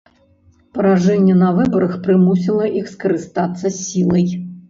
Паражэнне на выбарах прымусіла іх скарыстацца сілай.